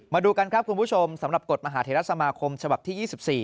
มาดูกันครับคุณผู้ชมสำหรับกฎมหาเทรสมาคมฉบับที่๒๔